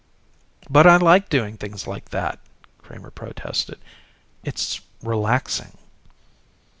"But I like to do things like that," Kramer protested. "It's relaxing."